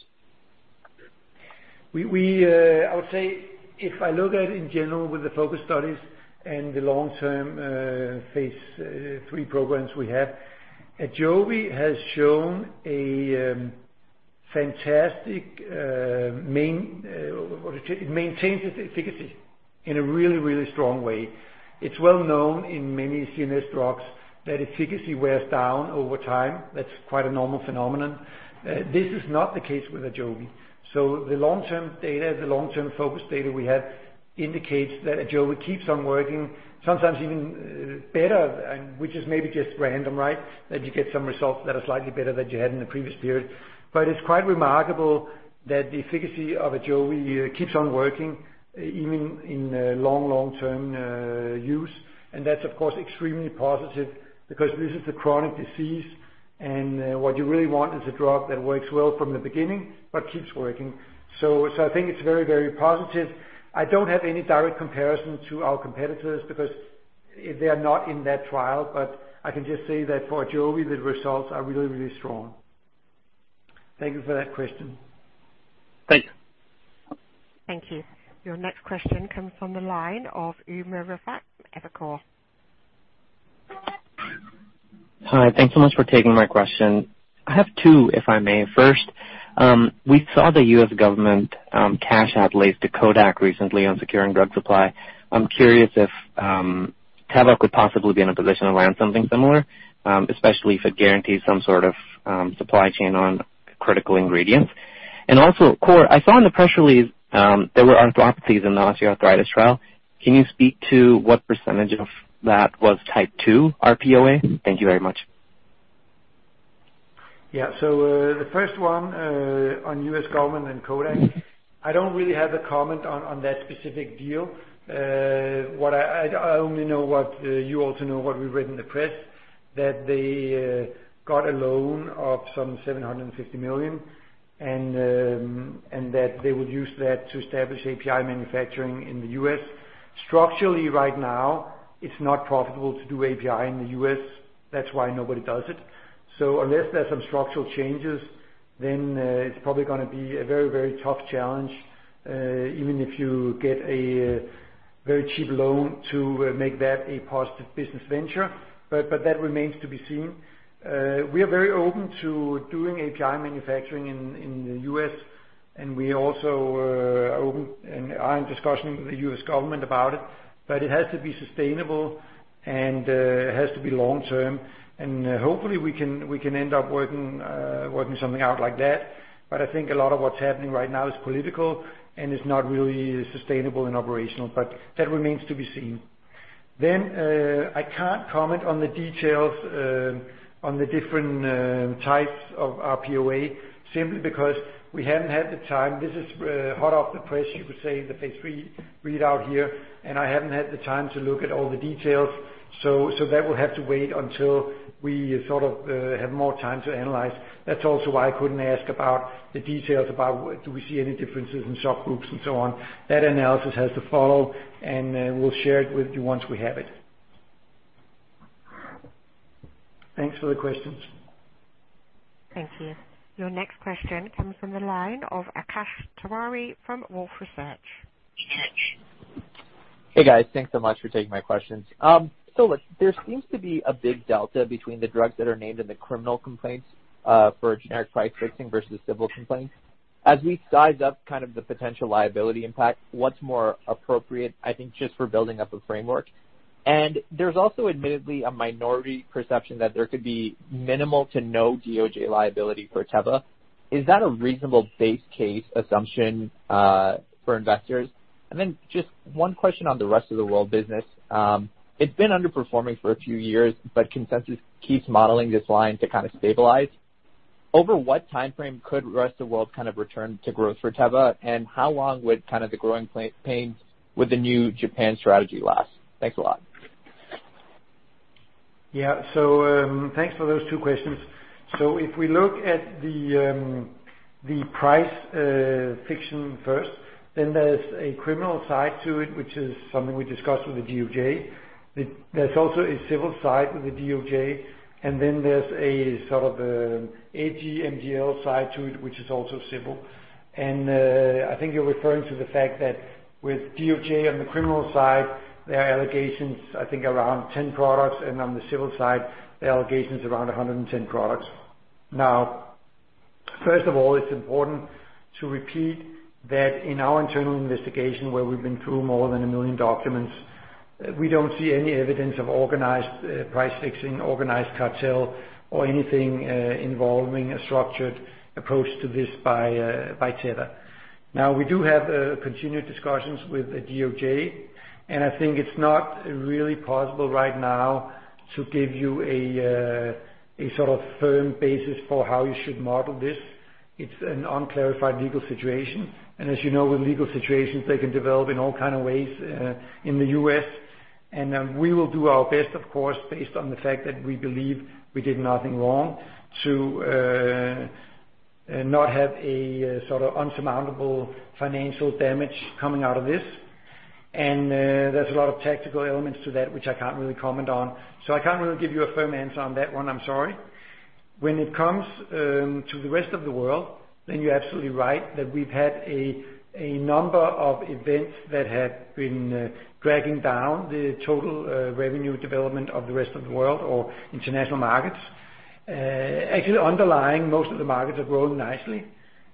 I would say, if I look at it in general with the focus studies and the long-term phase III programs we have, AJOVY has shown a fantastic it maintains its efficacy in a really, really strong way. It's well known in many CNS drugs that efficacy wears down over time. That's quite a normal phenomenon. This is not the case with AJOVY. The long-term data, the long-term focus data we have indicates that AJOVY keeps on working, sometimes even better, which is maybe just random, right? That you get some results that are slightly better than you had in the previous period. It's quite remarkable that the efficacy of AJOVY keeps on working even in long-term use. That's of course, extremely positive because this is a chronic disease, and what you really want is a drug that works well from the beginning but keeps working. I think it's very, very positive. I don't have any direct comparison to our competitors because they are not in that trial. I can just say that for AJOVY, the results are really, really strong. Thank you for that question. Thank you. Thank you. Your next question comes from the line of Umer Raffat, Evercore. Hi. Thanks so much for taking my question. I have two, if I may. First, we saw the U.S. government cash outlay to Kodak recently on securing drug supply. I'm curious if Teva could possibly be in a position to land something similar, especially if it guarantees some sort of supply chain on critical ingredients. Also, Kåre, I saw in the press release there were arthropathies in the osteoarthritis trial. Can you speak to what percentage of that was type 2 RPOA? Thank you very much. The first one, on U.S. government and Kodak, I don't really have a comment on that specific deal. I only know what you also know, what we read in the press, that they got a loan of some $750 million, and that they would use that to establish API manufacturing in the U.S. Structurally, right now, it's not profitable to do API in the U.S. That's why nobody does it. Unless there's some structural changes, it's probably going to be a very, very tough challenge. Even if you get a very cheap loan to make that a positive business venture, that remains to be seen. We are very open to doing API manufacturing in the U.S., we also are open and are in discussion with the U.S. government about it. It has to be sustainable and it has to be long-term, and hopefully we can end up working something out like that. I think a lot of what's happening right now is political and is not really sustainable and operational. That remains to be seen. I can't comment on the details on the different types of RPOA, simply because we haven't had the time. This is hot off the press, you could say, the phase III readout here, and I haven't had the time to look at all the details. That will have to wait until we sort of have more time to analyze. That's also why I couldn't ask about the details about do we see any differences in stock groups and so on. That analysis has to follow, and we'll share it with you once we have it. Thanks for the questions. Thank you. Your next question comes from the line of Akash Tewari from Wolfe Research. Hey, guys. Thanks so much for taking my questions. Look, there seems to be a big delta between the drugs that are named in the criminal complaints for generic price fixing versus civil complaints. As we size up kind of the potential liability impact, what's more appropriate, I think just for building up a framework? There's also admittedly a minority perception that there could be minimal to no DOJ liability for Teva. Is that a reasonable base case assumption for investors? Then just one question on the Rest of the World business. It's been underperforming for a few years, but consensus keeps modeling this line to kind of stabilize. Over what time frame could Rest of World kind of return to growth for Teva, and how long would the growing pains with the new Japan strategy last? Thanks a lot. Thanks for those two questions. If we look at the price fixing first, then there's a criminal side to it, which is something we discussed with the DOJ. There's also a civil side with the DOJ, and then there's a sort of AG MDL side to it, which is also civil. I think you're referring to the fact that with DOJ on the criminal side, there are allegations, I think around 10 products. On the civil side, there are allegations around 110 products. First of all, it's important to repeat that in our internal investigation, where we've been through more than a million documents, we don't see any evidence of organized price fixing, organized cartel, or anything involving a structured approach to this by Teva. We do have continued discussions with the DOJ. I think it's not really possible right now to give you a sort of firm basis for how you should model this. It's an unclarified legal situation. As you know, with legal situations, they can develop in all kind of ways in the U.S. We will do our best, of course, based on the fact that we believe we did nothing wrong to not have a sort of insurmountable financial damage coming out of this. There's a lot of tactical elements to that which I can't really comment on. I can't really give you a firm answer on that one. I'm sorry. When it comes to the Rest of the World, you're absolutely right that we've had a number of events that have been dragging down the total revenue development of the Rest of the World or international markets. Actually underlying most of the markets have grown nicely,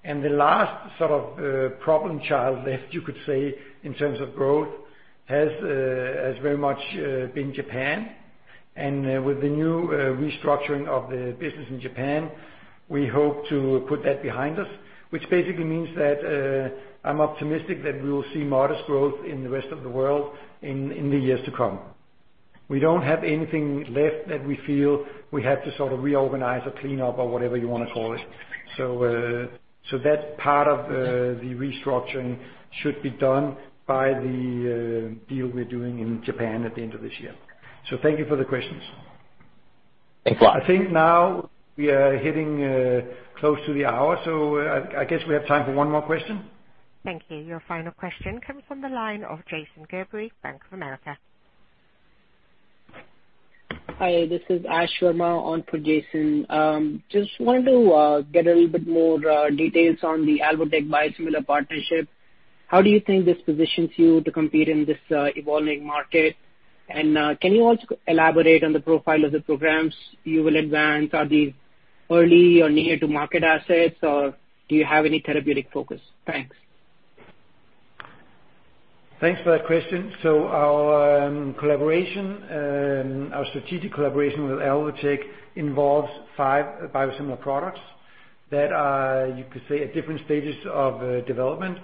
the last sort of problem child left you could say in terms of growth has very much been Japan. With the new restructuring of the business in Japan, we hope to put that behind us, which basically means that I'm optimistic that we will see modest growth in the Rest of the World in the years to come. We don't have anything left that we feel we have to sort of reorganize or clean up or whatever you want to call it. That part of the restructuring should be done by the deal we're doing in Japan at the end of this year. Thank you for the questions. Thanks a lot. I think now we are hitting close to the hour, so I guess we have time for one more question. Thank you. Your final question comes from the line of Jason Gerberry, Bank of America. Hi, this is Ashwani Verma on for Jason. Just wanted to get a little bit more details on the Alvotech biosimilar partnership. How do you think this positions you to compete in this evolving market? Can you also elaborate on the profile of the programs you will advance? Are these early or near to market assets, or do you have any therapeutic focus? Thanks. Thanks for that question. Our strategic collaboration with Alvotech involves five biosimilar products that are, you could say, at different stages of development,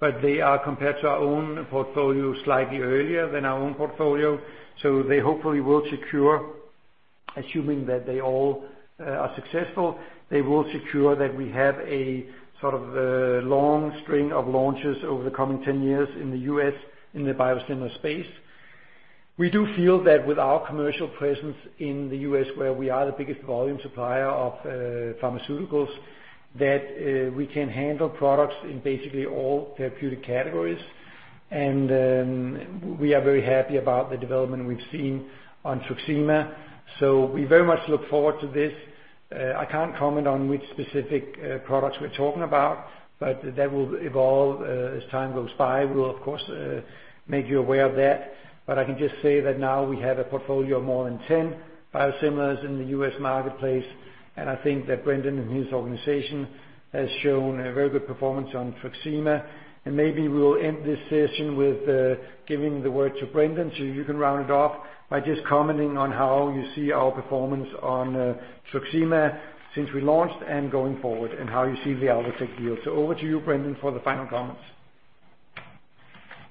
but they are compared to our own portfolio slightly earlier than our own portfolio. They hopefully will secure, assuming that they all are successful, they will secure that we have a sort of long string of launches over the coming 10 years in the U.S. in the biosimilar space. We do feel that with our commercial presence in the U.S., where we are the biggest volume supplier of pharmaceuticals, that we can handle products in basically all therapeutic categories. We are very happy about the development we've seen on TRUXIMA. We very much look forward to this. I can't comment on which specific products we're talking about, but that will evolve as time goes by. We'll, of course, make you aware of that. I can just say that now we have a portfolio of more than 10 biosimilars in the U.S. marketplace, and I think that Brendan and his organization has shown a very good performance on TRUXIMA. Maybe we'll end this session with giving the word to Brendan, so you can round it off by just commenting on how you see our performance on TRUXIMA since we launched and going forward, and how you see the Alvotech deal. Over to you, Brendan, for the final comments.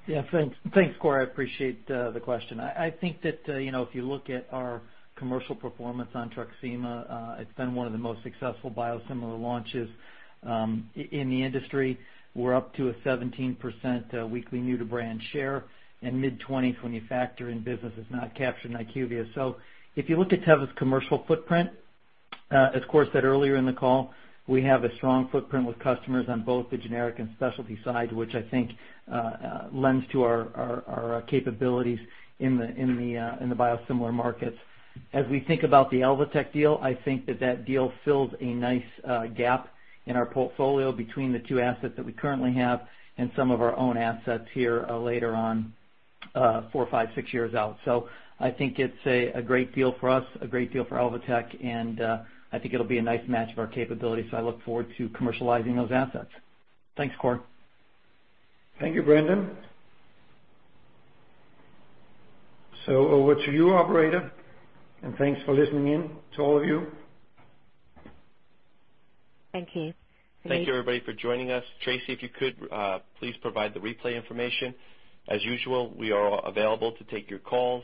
Yeah, thanks, Kåre. I appreciate the question. I think that if you look at our commercial performance on TRUXIMA, it's been one of the most successful biosimilar launches in the industry. We're up to a 17% weekly new-to-brand share, and mid-20s when you factor in businesses not captured in IQVIA. If you look at Teva's commercial footprint, as Kåre said earlier in the call, we have a strong footprint with customers on both the generic and specialty side, which I think lends to our capabilities in the biosimilar markets. As we think about the Alvotech deal, I think that that deal fills a nice gap in our portfolio between the two assets that we currently have and some of our own assets here later on, four, five, six years out. I think it's a great deal for us, a great deal for Alvotech, and I think it'll be a nice match of our capabilities. I look forward to commercializing those assets. Thanks, Kåre. Thank you, Brendan. Over to you, operator, and thanks for listening in to all of you. Thank you. Thank you, everybody, for joining us. Tracy, if you could, please provide the replay information. As usual, we are available to take your calls,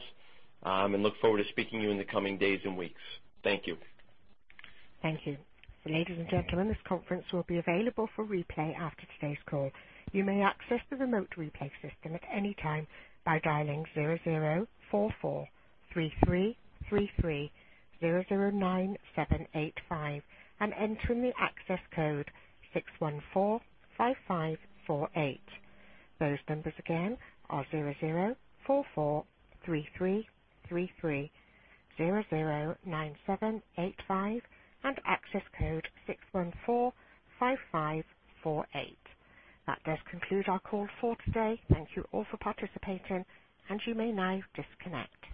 and look forward to speaking to you in the coming days and weeks. Thank you. Thank you. Ladies and gentlemen, this conference will be available for replay after today's call. You may access the remote replay system at any time by dialing 0044-3333-009-785 and enter the access code 6145548. Those numbers again, 0044-3333-009-785 and access code 6145548. That does conclude our call for today. Thank you all for participating, and you may now disconnect.